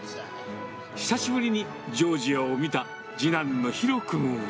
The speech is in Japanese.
久しぶりにジョージアを見た次男の紘君は。